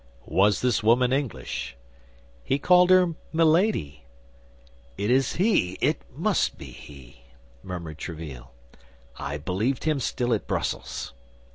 "Was this woman English?" "He called her Milady." "It is he; it must be he!" murmured Tréville. "I believed him still at Brussels."